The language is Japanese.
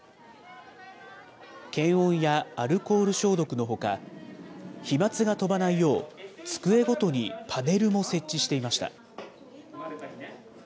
検温やアルコール消毒のほか、飛まつが飛ばないよう、机ごとにパネルも設置していました。